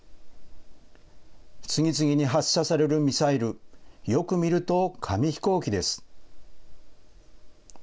次々に発射されるミサイル、よく見ると、紙飛行機です。